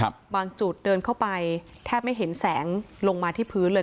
บางจุดเดินเข้าไปแทบไม่เห็นแสงลงมาที่พื้นเลย